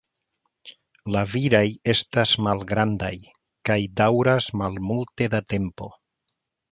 La viraj estas malgrandaj kaj daŭras malmulte da tempo.